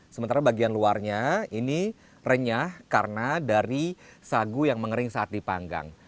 sementara bagian luarnya ini renyah karena dari sagu yang mengering saat dipanggang